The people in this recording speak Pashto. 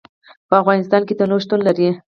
په افغانستان کې تنوع شتون لري.